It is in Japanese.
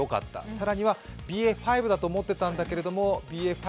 さらにはＢＡ．５だと思っていたんだけど、違くて、